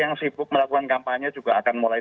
yang sibuk melakukan kampanye juga akan mulai